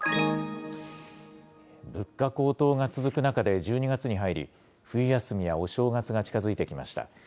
物価高騰が続く中で１２月に入り、冬休みやお正月が近づいてきました。